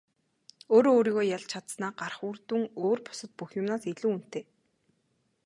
Өөрөө өөрийгөө ялж чадсанаа гарах үр дүн өөр бусад бүх юмнаас илүү үнэтэй.